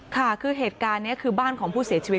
ค่ะคือเหตุการณ์นี้คือบ้านของผู้เสียชีวิต